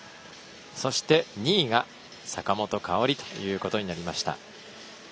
そして２位が坂本花織ということになりました。